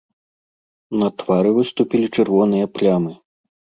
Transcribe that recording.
На твары выступілі чырвоныя плямы.